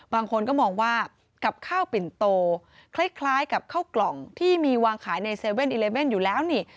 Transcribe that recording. บางคนก็มองว่ากับข้าวปิ่นโตคล้ายกับข้าวกล่องที่มีวางขายใน๗๑๑อยู่แล้วนี่